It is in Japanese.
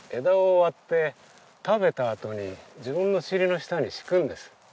枝を割って食べたあとに自分の尻の下に敷くんです。